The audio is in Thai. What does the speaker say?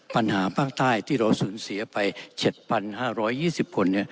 ปัญหาภาคใต้ที่เราสูญเสียไป๗๕๒๐คน